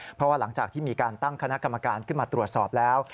เพราะว่าหลังจากที่มีการตั้งคณะกรรมการขึ้นมาตรวจสอบแล้ว